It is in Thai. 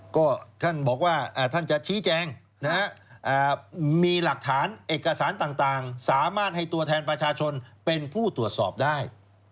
ก็ท่านบอกว่าท่านจะชี้แจงมีหลักฐานเอกสารต่างสามารถให้ตัวแทนประชาชนเป็นผู้ตรวจสอบได้